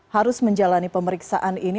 harus menjalani pemeriksaan ini